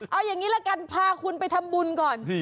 เอาอย่างนี้ละกันพาคุณไปทำบุญก่อน